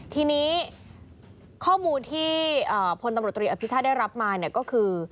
ทีนี้ข้อมูลที่ผลตำรวจตรีอภิษฐาได้รับมาก็คือ